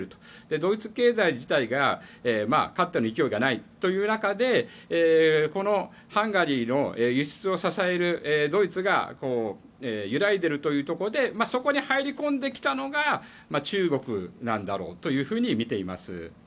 ドイツ経済自体がかつての勢いがない中でハンガリーの輸出を支えるドイツが揺らいでいるということでそこに入り込んできたのが中国なんだろうというふうに見ています。